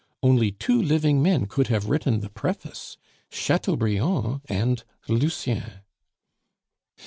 Only two living men could have written the preface Chateaubriand and Lucien."